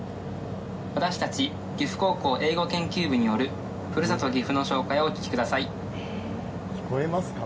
私たち岐阜高校英語研究部によるふるさと、岐阜の紹介をお聞きく聞こえますか？